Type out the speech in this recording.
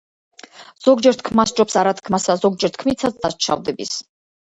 ზოგჯერ თქმა სჯობს არა-თქმასა, ზოგჯერ თქმითაც დაშავდების,